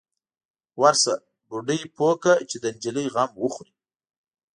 _ورشه، بوډۍ پوه که چې د نجلۍ غم وخوري.